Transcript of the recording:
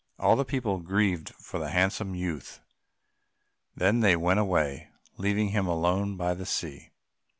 All the people grieved for the handsome youth; then they went away, leaving him alone by the sea.